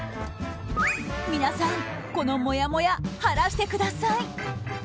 皆さん、このもやもや晴らしてください！